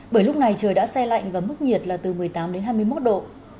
bởi lúc này trời đã xe lạnh và mức nhiệt là từ một mươi tám đến hai mươi một độ